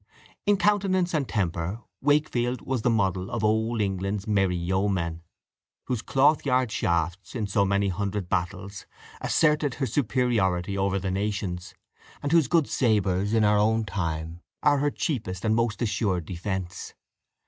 In countenance and temper, Wakefield was the model of Old England's merry yeomen, whose cloth yard shafts, in so many hundred battles, asserted her superiority over the nations, and whose good sabres, in our own time, are her cheapest and most assured defence.